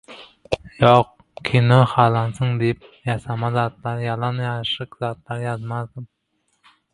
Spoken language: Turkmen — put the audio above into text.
Ýok, kino halansyn diýip ýasama zatlar, ýalan ýaşyryk zatlar ýazmadyk.